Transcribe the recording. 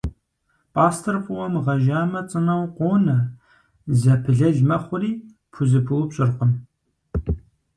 Пӏастэр фӏыуэ мыгъэжьамэ цӏынэу къонэ, зэпылэл мэхъури пхузэпыупщӏыркъым.